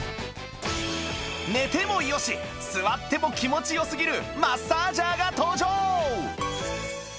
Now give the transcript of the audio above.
寝てもよし座っても気持ち良すぎるマッサージャーが登場！